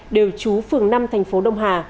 đều trú phường năm thành phố đông hà